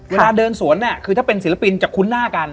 เวลาเดินสวนเนี่ยคือถ้าเป็นศิลปินจะคุ้นหน้ากัน